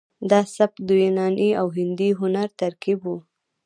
دا سبک د یوناني او هندي هنر ترکیب و